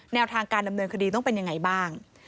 แนวทางการดำเนินคดีต้องเป็นยังไงบ้าง